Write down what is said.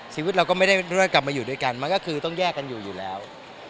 ชีวิตเราก็ไม่ได้กลับมาอยู่ด้วยกันมันก็คือต้องแยกกันอยู่อยู่แล้ว